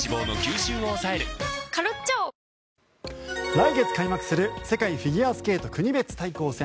来月開幕する世界フィギュアスケート国別対抗戦。